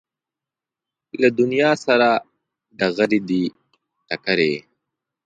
له دنیا سره ډغرې دي ټکرې